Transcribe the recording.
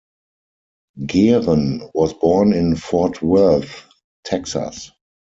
Geren was born in Fort Worth, Texas.